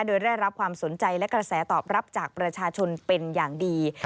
โดยได้รับความสนใจและกระแสตอบรับจากประชาชนเป็นอย่างดี